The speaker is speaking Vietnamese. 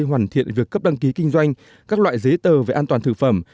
hoàn thiện việc cấp đăng ký kinh doanh các loại giấy tờ về an toàn thực phẩm